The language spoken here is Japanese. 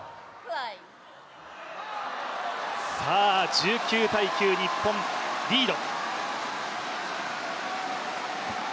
１９−９、日本リード。